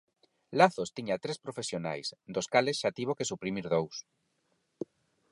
Lazos tiña tres profesionais, dos cales xa tivo que suprimir dous.